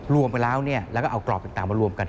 รวมไปแล้วแล้วก็เอากรอบต่างมารวมกัน